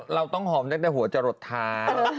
เราต้องหอมจากในหัวจรดทาน